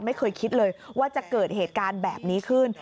ไม่เคยคิดเลยว่าจะเกิดเหตุการณ์แบบนี้ขึ้น